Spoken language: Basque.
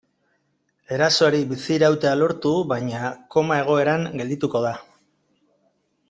Erasoari bizirautea lortu baina koma egoeran geldituko da.